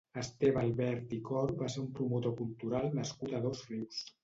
Esteve Albert i Corp va ser un promotor cultural nascut a Dosrius.